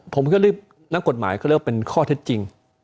ผมก็รีบนักกฎหมายเขาเรียกว่าเป็นข้อเท็จจริง